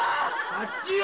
どっちよ！